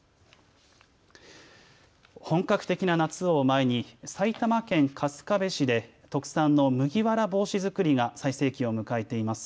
本格的な夏を前に埼玉県春日部市で特産の麦わら帽子作りが最盛期を迎えています。